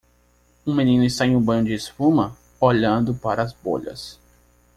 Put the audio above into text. Um menino está em um banho de espuma? olhando para as bolhas.